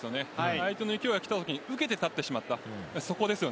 相手の勢いがきたときに受けてたってしまった。